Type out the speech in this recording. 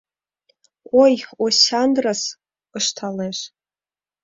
— Ой, Осяндрыс, — ышталеш.